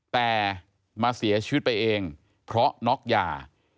แต่มาเสียชีวิตไปเองเพราะน็อกยา